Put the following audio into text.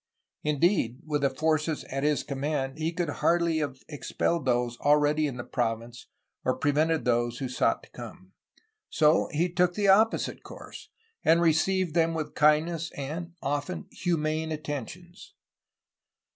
Indeed, with the forces at his command, he could hardly have expelled those already in the province or prevented those who sought to come. So he took the oppo site course, and received them with kindness and, often, humane attentions.